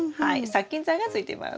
殺菌剤がついています。